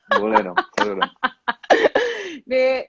boleh dong selalu dong